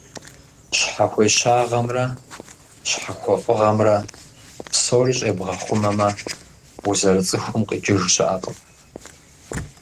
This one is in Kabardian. Щхьэхуещагъэмрэ щхьэхуэфӀыгъэмрэ псори щӀебгъэхъумэмэ, узэрыцӀыхум къикӀыж щыӀэкъым.